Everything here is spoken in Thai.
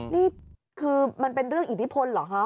นี่คือมันเป็นเรื่องอิทธิพลเหรอคะ